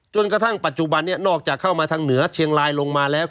จนกระทั่งปัจจุบันนี้นอกจากเข้ามาทางเหนือเชียงรายลงมาแล้ว